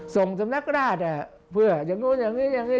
สำนักราชเพื่ออย่างนู้นอย่างนี้อย่างนี้